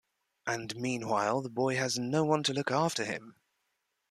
And meanwhile the boy has no one to look after him.